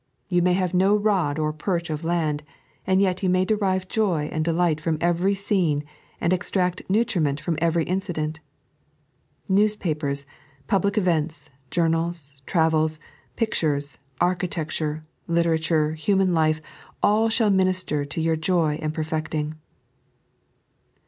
You may have no rod or perch of land, and yet you may derive joy and delight from every scene, and extract nutriment from every incident. Newspapers, public events, journals, travels, pictures, architecture, literature, human life— all shall minister to your joy and perfecting.